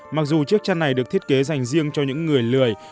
mặc dù chiếc chăn này được thiết kế dành riêng cho những người lười